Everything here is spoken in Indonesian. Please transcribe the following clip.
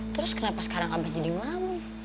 terus kenapa sekarang abang jadi mamu